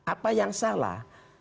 apa yang salah